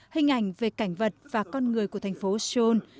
hình ảnh về cảnh vật và con người của thành phố seoul